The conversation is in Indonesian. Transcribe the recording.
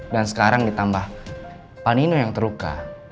dan sekarang ditambah panino yang terluka